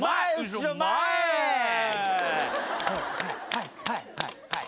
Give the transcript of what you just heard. はいはいはいはい。